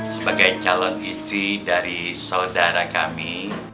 sebagai calon istri dari saudara kami